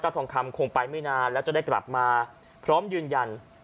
ทองคำคงไปไม่นานแล้วจะได้กลับมาพร้อมยืนยัน